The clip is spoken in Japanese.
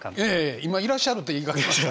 今いらっしゃるって言いかけました？